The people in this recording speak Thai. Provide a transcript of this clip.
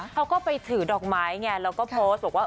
เขาก็ไปถือดอกไม้ไงแล้วก็โพสต์บอกว่า